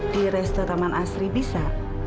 di resta taman asri bisa